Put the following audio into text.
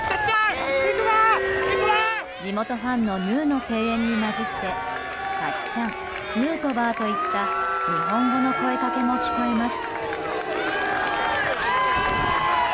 地元ファンのヌーの声援に混じってたっちゃん、ヌートバーといった日本語の声掛けも聞こえます。